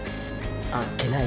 あっけない